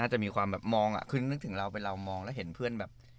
น่าจะมีความมองคือนึกถึงเรามองแล้วเห็นเพื่อนแบบ